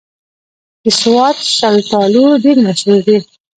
د سوات شلتالو ډېر مشهور دي